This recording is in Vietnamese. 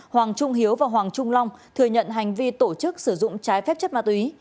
hoàng trung hiếu và hoàng trung long thừa nhận hành vi tổ chức sử dụng trái phép chất ma túy